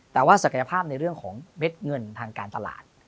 แต่ว่าศักยภาพในเรื่องของเม็ดเงินทางการตลาด